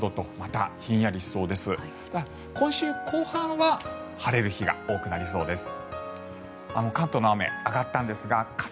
ただ、今週後半は晴れる日が多くなりそうです。